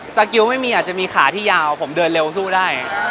สกิลไม่มีอาจจะมีขาที่ยาวผมเดินเร็วสู้ได้